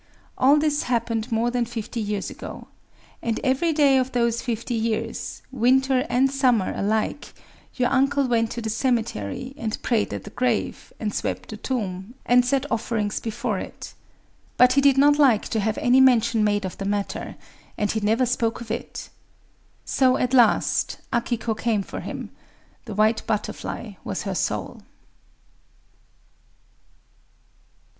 All this happened more than fifty years ago. And every day of those fifty years—winter and summer alike—your uncle went to the cemetery, and prayed at the grave, and swept the tomb, and set offerings before it. But he did not like to have any mention made of the matter; and he never spoke of it... So, at last, Akiko came for him: the white butterfly was her soul."